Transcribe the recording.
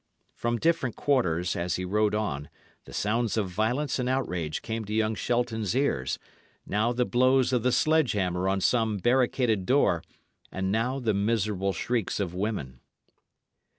From different quarters, as he rode on, the sounds of violence and outrage came to young Shelton's ears; now the blows of the sledge hammer on some barricaded door, and now the miserable shrieks of women.